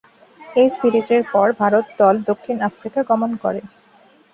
এ সিরিজের পর ভারত দল দক্ষিণ আফ্রিকা গমন করে।